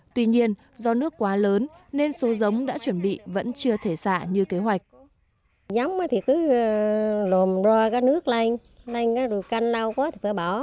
tuy nhiên do nước quá lớn nên số giống đã chuẩn bị vẫn chưa thể xạ như kế hoạch